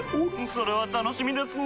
それは楽しみですなぁ。